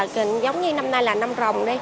giống như năm nay là năm rồng